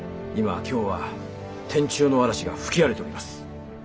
今京は天誅の嵐が吹き荒れております。